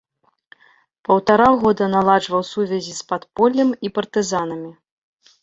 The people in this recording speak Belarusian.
Паўтара года наладжваў сувязі з падполлем і партызанамі.